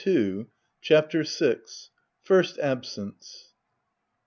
99 CHAPTER VI. FIRST ABSENCE.